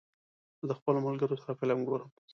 زه د خپلو ملګرو سره فلم ګورم.